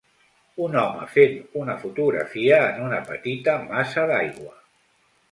Un home fent una fotografia en un petita massa d'aigua.